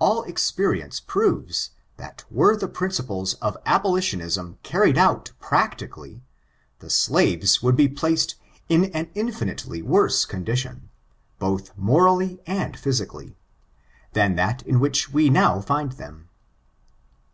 AH experience proves that were the principles of abolitionism carried out practicaUy^ the slaves would be placed in an infinitely worse condition, both , morally and physically, than that in which we now find them.